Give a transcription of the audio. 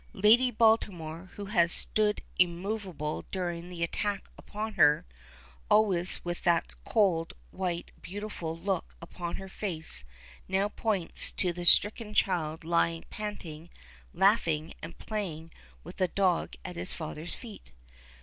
Lady Baltimore, who has stood immoveable during the attack upon her, always with that cold, white, beautiful look upon her face, now points to the stricken child lying panting, laughing, and playing with the dog at his father's feet.